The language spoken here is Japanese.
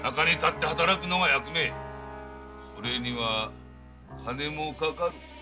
それには金もかかる。